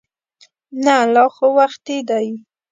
نه لا خو وختي دی.